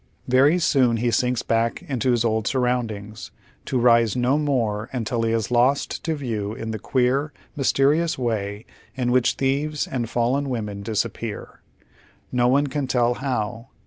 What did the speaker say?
Very soon he sinks back into his old surroundings, to rise no more until he is lost to view ill the queer, mysterious way in which thieves and fallen women disappear. No one can tell how.